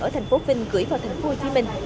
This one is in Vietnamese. ở thành phố vinh gửi vào thành phố hồ chí minh